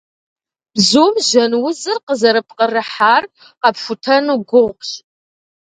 Бзум жьэн узыр къызэрыпкърыхьар къэпхутэну гугъущ.